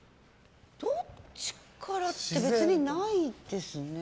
どっちからって別にないですね。